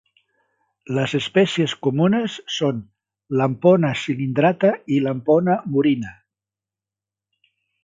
Les espècies comunes són "Lampona cylindrata" i "Lampona murina".